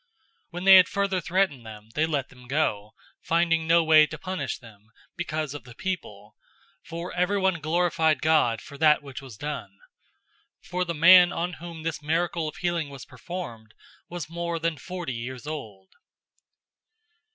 004:021 When they had further threatened them, they let them go, finding no way to punish them, because of the people; for everyone glorified God for that which was done. 004:022 For the man on whom this miracle of healing was performed was more than forty years old.